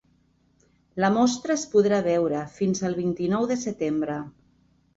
La mostra es podrà veure fins al vint-i-nou de setembre.